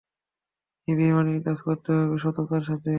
এই বেইমানির কাজ করতে হবে সততার সাথে।